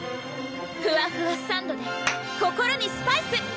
ふわふわサンドｄｅ心にスパイス！